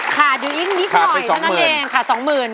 ขาดไป๒หมื่น